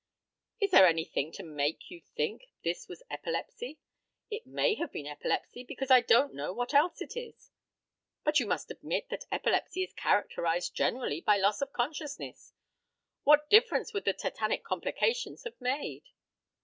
"Is there anything to make you think this was epilepsy? It may have been epilepsy, because I don't know what else it was." "But you must admit that epilepsy is characterised generally by loss of consciousness; what difference would the tetanic complications have made?"